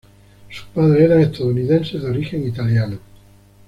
Sus padres eran estadounidenses de origen italiano.